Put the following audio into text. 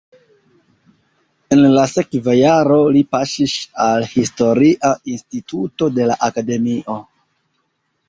En la sekva jaro li paŝis al historia instituto de la akademio.